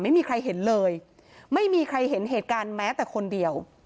ไม่มีใครเห็นเลยไม่มีใครเห็นเหตุการณ์แม้แต่คนเดียว